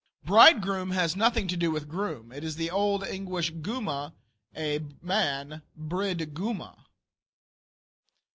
Bridegroom has nothing to do with groom. It is the old English "guma," a man, "bryd guma."